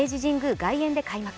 外苑で開幕。